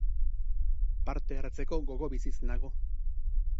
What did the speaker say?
Parte hartzeko gogo biziz nago.